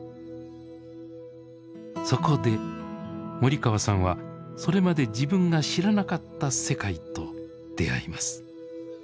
そこで森川さんはそれまで自分が知らなかった世界と出会います。